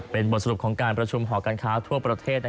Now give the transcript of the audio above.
เป็นบทสรุปของการประชุมหอการค้าทั่วประเทศ